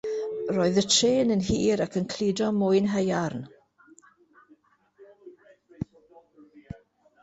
Roedd y trên yn hir ac yn cludo mwyn haearn.